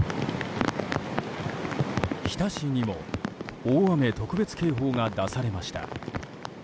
日田市にも大雨特別警報が出されました。